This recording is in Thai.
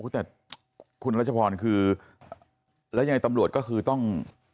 แต่คุณรัชพรคือแล้วยังไงตำรวจก็คือต้อง